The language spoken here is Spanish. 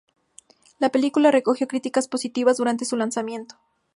La película recogió críticas positivas durante su lanzamiento.